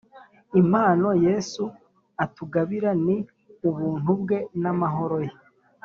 Impano yesu atugabira ni Ubuntu bwe n’amahoro ye